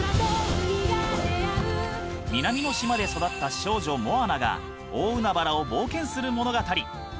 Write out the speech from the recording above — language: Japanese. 南の島で育った少女モアナが大海原を冒険する物語。